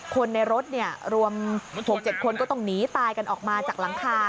คนในรถรวม๖๗คนก็ต้องหนีตายกันออกมาจากหลังคา